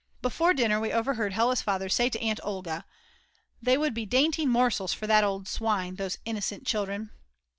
Before dinner we overheard Hella's father say to Aunt Olga: "They would be dainty morsels for that old swine, those innocent children."